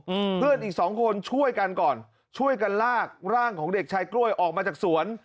อืมเพื่อนอีกสองคนช่วยกันก่อนช่วยกันลากร่างของเด็กชายกล้วยออกมาจากสวน